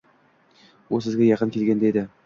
U sizga yaqin kelganda edi.